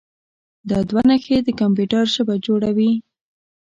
دا دوه نښې د کمپیوټر ژبه جوړوي.